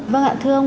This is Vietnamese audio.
vâng ạ thưa ông